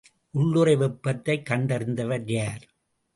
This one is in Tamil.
உள்ளுறை வெப்பத்தைக் கண்டறிந்தவர் யார்?